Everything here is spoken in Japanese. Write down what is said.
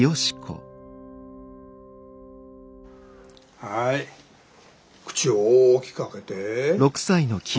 はい口を大きく開けて。